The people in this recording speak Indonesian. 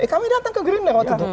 kami datang ke gerindra waktu itu